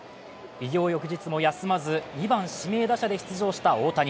偉業翌日も休まず２番・指名打者で出場した大谷。